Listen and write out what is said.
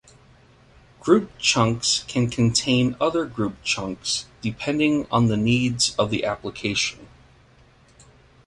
Group chunks can contain other group chunks, depending on the needs of the application.